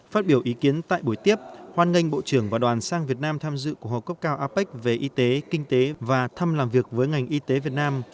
phát biểu ý kiến tại buổi tiếp hoan nghênh bộ trưởng và đoàn sang việt nam tham dự cuộc họp cấp cao apec về y tế kinh tế và thăm làm việc với ngành y tế việt nam